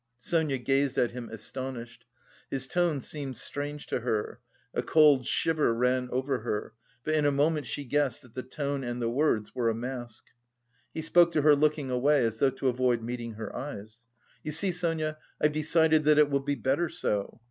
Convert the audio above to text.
Sonia gazed at him astonished. His tone seemed strange to her; a cold shiver ran over her, but in a moment she guessed that the tone and the words were a mask. He spoke to her looking away, as though to avoid meeting her eyes. "You see, Sonia, I've decided that it will be better so.